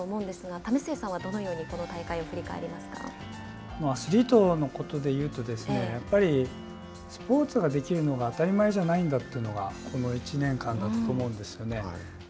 為末さんはどのようにアスリートのことで言うとやっぱりスポーツができるのが当たり前じゃないんだというのがこの１年間だったと思うんですよね。